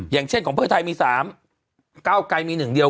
อย่างเช่นของเพื่อไทยมี๓